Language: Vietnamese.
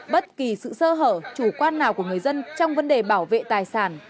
bất kỳ sự sơ hở chủ quan nào của người dân trong vấn đề bảo vệ tài sản